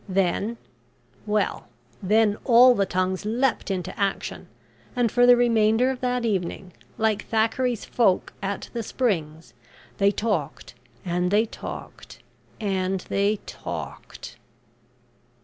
Then well, then all the tongues leaped into action, and for the remainder of that evening, like Thackeray's folk "At the Springs," they talked, and they talked, and they talked.